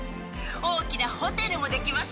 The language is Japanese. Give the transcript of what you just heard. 大きなホテルも出来ます。